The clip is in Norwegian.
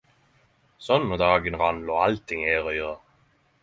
So når dagen rann låg alltingh i eit røre.